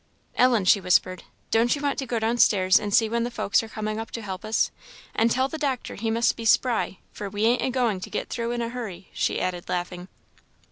"Ellen," she whispered, "don't you want to go downstairs and see when the folks are coming up to help us? And tell the doctor he must be spry, for we ain't agoing to get through in a hurry," she added, laughing.